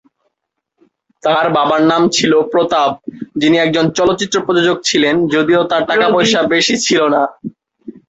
তার বাবার নাম ছিলো প্রতাপ যিনি একজন চলচ্চিত্র প্রযোজক ছিলেন, যদিও তার টাকা পয়সা বেশি ছিলোনা।